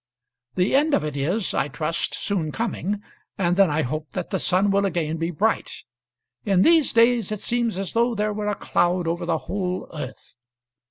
The end of it is I trust soon coming, and then I hope that the sun will again be bright. In these days it seems as though there were a cloud over the whole earth.